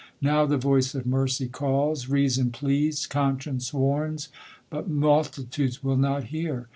Now the voice of mercy calls, reason pleads, conscience war ns ; but multitudes will not hear.